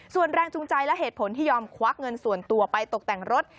ส่วนแรงจูงใจและเหตุผลที่ยอมควักเงินส่วนตัวไปตกแต่งรถ